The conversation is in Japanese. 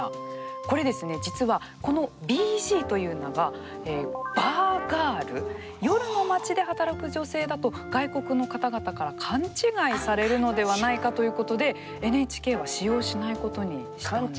これですね実はこのＢＧというのがバー・ガール夜の町で働く女性だと外国の方々から勘違いされるのではないかということでＮＨＫは使用しないことにしたんです。